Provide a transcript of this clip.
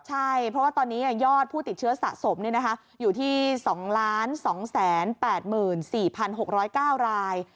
ใช่เพราะว่าตอนนี้ยอดผู้ติดเชื้อสะสมอยู่ที่๒๒๘๔๖๐๙ราย